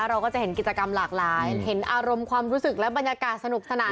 เราก็จะเห็นกิจกรรมหลากหลายเห็นอารมณ์ความรู้สึกและบรรยากาศสนุกสนาน